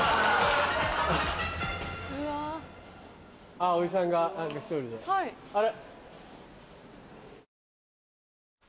あおじさんが何か１人であれ？